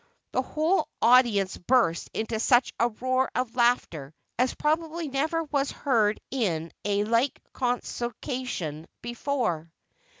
The whole audience burst into such a roar of laughter as probably never was heard in a like Consociation before.